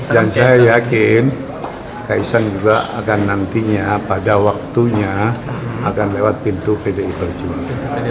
dan saya yakin kaisan juga akan nantinya pada waktunya akan lewat pintu pd perjuangan